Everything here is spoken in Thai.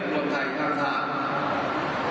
ทุนไทยทั้งทราบ